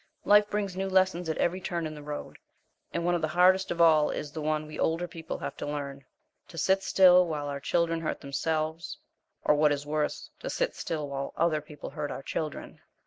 Life brings new lessons at every turn in the road, and one of the hardest of all is the one we older people have to learn to sit still while our children hurt themselves, or, what is worse, to sit still while other people hurt our children.